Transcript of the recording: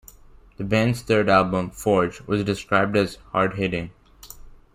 The band's third album, "Forge", was described as "hard-hitting".